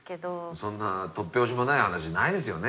そんな突拍子もない話ないですよね？